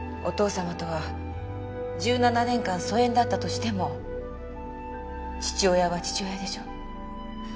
お父様とは１７年間疎遠だったとしても父親は父親でしょ。